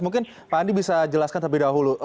mungkin pak andi bisa jelaskan terlebih dahulu